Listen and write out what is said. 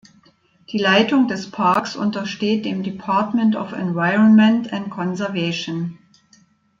Die Leitung des Parks untersteht dem Department of Environment and Conservation.